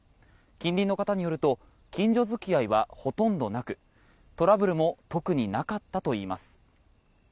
近隣の方によると近所付き合いはほとんどなくトラブルも特になかったといいます。